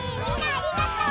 ありがとう！